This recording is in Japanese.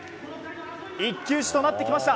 一騎打ちとなってきました！